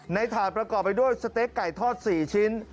ถาดประกอบไปด้วยสเต๊กไก่ทอด๔ชิ้น